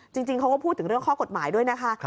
จริงเขาก็พูดถึงเรื่องข้อกฎหมายด้วยนะคะ